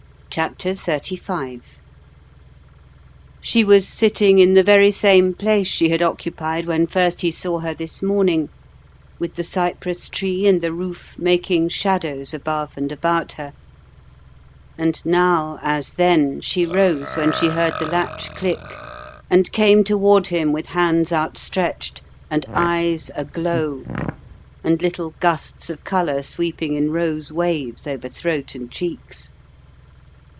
CHAPTER XXXV She was sitting in the very same place she had occupied when first he saw her this morning, with the cypress tree and the roof making shadows above and about her; and now, as then, she rose when she heard the latch click and came toward him with hands outstretched and eyes aglow and little gusts of colour sweeping in rose waves over throat and cheeks.